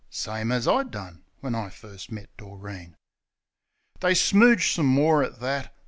(Same as I done when I first met Doreen.) They smooge some more at that.